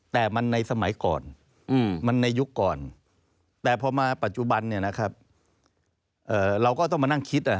แต่มันในสมัยก่อนมันในยุคน